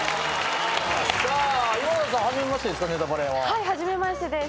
はい初めましてです。